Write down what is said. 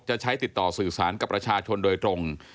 จะใช้ติดต่อสื่อสารกับประชาชนโดยตรง